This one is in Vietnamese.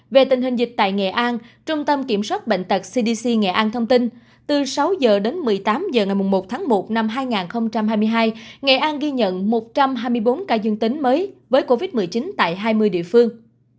về tình hình dịch tại nghệ an trung tâm kiểm soát bệnh tật cdc nghệ an thông tin từ sáu h đến một mươi tám h ngày một tháng một năm hai nghìn hai mươi hai nghệ an ghi nhận một trăm hai mươi bốn ca dương tính mới với covid một mươi chín tại hai mươi địa phương